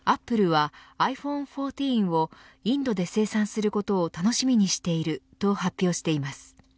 アップルはｉＰｈｏｎｅ１４をインドで生産することを楽しみにしていると発表しています。